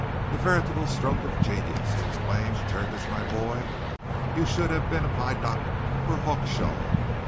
"A veritable stroke of genius!" he exclaimed. "Tertius, my boy, you should have been a Vidocq or a Hawkshaw!